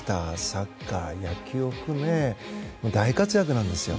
サッカー、野球を含め大活躍なんですよ。